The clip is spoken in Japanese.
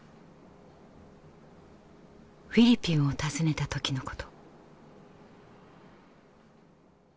フィリピンを訪ねた時のこと。